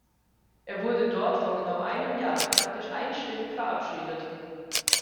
Er wurde dort vor genau einem Jahr praktisch einstimmig verabschiedet.